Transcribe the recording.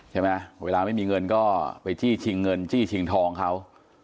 เวลาไม่มีเงินก็ไปจี้ชิงเงินจี้ชิงทองเขา